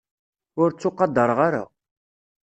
Ur ttuqadreɣ ara.